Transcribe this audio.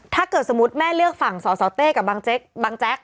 ถ้าเกิดสมมุติแม่เลือกฝั่งสสเต้กับบางแจ๊ก